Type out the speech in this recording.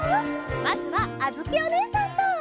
まずはあづきおねえさんと！